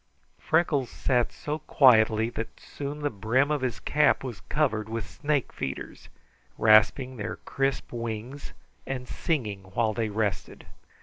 Freckles sat so quietly that soon the brim of his hat was covered with snake feeders, rasping their crisp wings and singing while they rested.